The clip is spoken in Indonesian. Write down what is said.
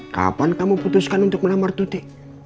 kapan kamu putuskan untuk menamar tuti